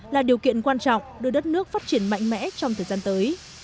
là điều kiện quan trọng đưa đất nước phát triển mạnh mẽ trong thời gian tới